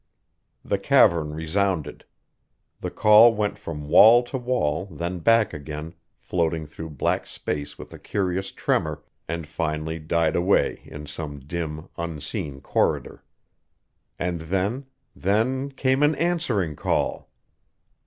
The cavern resounded. The call went from wall to wall, then back again, floating through black space with a curious tremor, and finally died away in some dim, unseen corridor. And then then came an answering call!